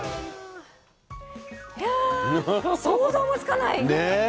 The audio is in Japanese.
いや想像もつかない。ね。